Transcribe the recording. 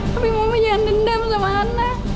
tapi mama jangan dendam sama ana